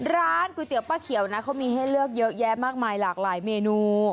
ร้านก๋วยเตี๋ยวป้าเขียวนะเขามีให้เลือกเยอะแยะมากมายหลากหลายเมนู